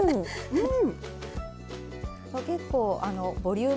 うん。